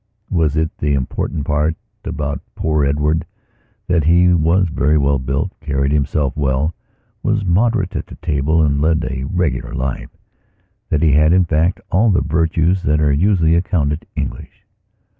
Was it the important point about poor Edward that he was very well built, carried himself well, was moderate at the table and led a regular lifethat he had, in fact, all the virtues that are usually accounted English?